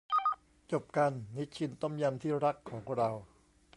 จบกัน นิชชินต้มยำที่รักของเรา